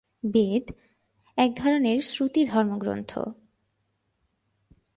বেদ এক ধরনের শ্রুতি ধর্মগ্রন্থ।